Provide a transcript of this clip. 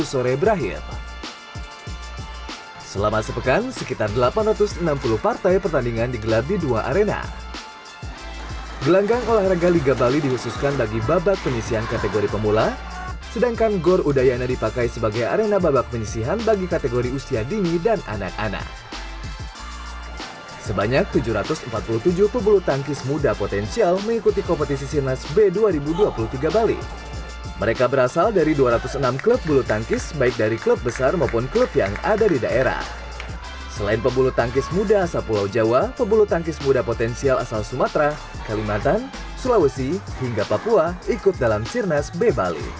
sebenarnya ini adalah sebuah kategori yang diperlukan untuk menjaga kemampuan pembuluh tangis muda potensial di daerah